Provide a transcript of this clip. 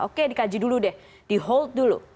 oke dikaji dulu deh di hold dulu